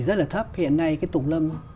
rất là thấp hiện nay cái tùng lâm